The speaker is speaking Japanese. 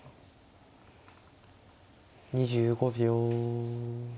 ２５秒。